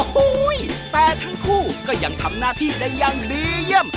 โอ้โหแต่ทั้งคู่ก็ยังทำหน้าที่ได้อย่างดีเยี่ยม